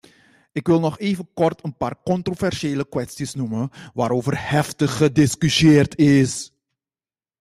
Ik wil nog even kort een paar controversiële kwesties noemen waarover heftig gediscussieerd is.